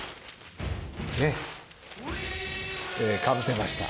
かぶせました。